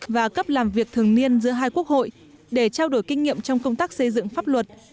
và cấp làm việc thường niên giữa hai quốc hội để trao đổi kinh nghiệm trong công tác xây dựng pháp luật